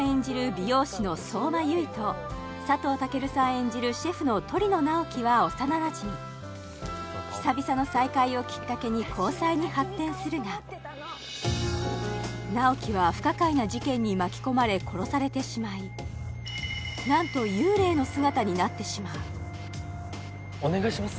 美容師の相馬悠依と佐藤健さん演じるシェフの鳥野直木は幼なじみ久々の再会をきっかけに交際に発展するが直木は不可解な事件に巻き込まれ殺されてしまいなんと幽霊の姿になってしまうお願いします